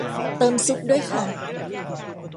เติมซุปด้วยค่ะ